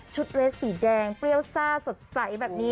ชุดสีแดงใสสุดแล้ว